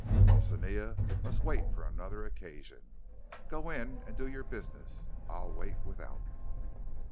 "Dulcinea must wait for another occasion. Go in and do your business. I'll wait without."